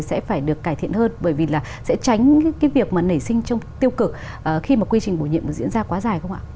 sẽ phải được cải thiện hơn bởi vì là sẽ tránh cái việc mà nảy sinh trong tiêu cực khi mà quy trình bổ nhiệm diễn ra quá dài không ạ